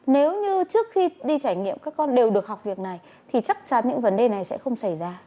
nếu như trước khi đi trải nghiệm các con đều được học việc này thì chắc chắn những vấn đề này sẽ không xảy ra